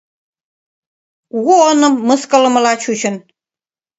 Кугу оным мыскылымыла чучын.